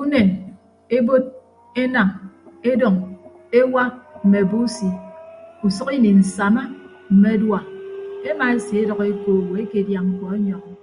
Unen ebod enañ edọñ ewa mme abusi usʌk ini nsama mme adua emaeseedʌk eko owo ekedia mkpọ enyọñọ.